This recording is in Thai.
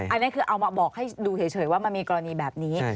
อันนี้คือเอามาบอกให้ดูเฉยว่ามันมีกรณีแบบนี้